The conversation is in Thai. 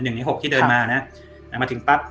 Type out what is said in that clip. ๑ใน๖คนที่เดินมานะ